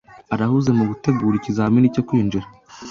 Arahuze mugutegura ikizamini cyo kwinjira.